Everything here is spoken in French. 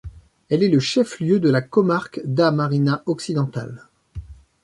Elle est le chef lieu de la comarque d'A Mariña Occidental.